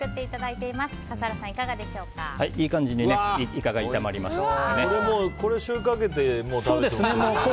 いい感じにイカが炒まりました。